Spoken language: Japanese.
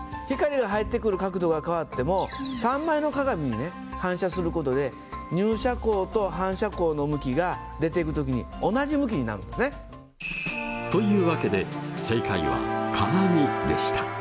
光が入ってくる角度が変わっても３枚の鏡にね反射することで入射光と反射光の向きが出ていく時に同じ向きになるんですね。というわけで正解は鏡でした。